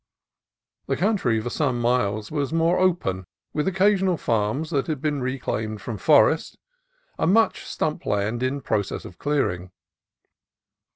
The country for some miles was more open, with occasional farms that had been reclaimed from forest, and much stump land in process of clearing.